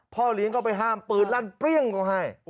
พ่อเลี้ยงก็ไปห้ามปืนลั่นเปรี้ยงเขาให้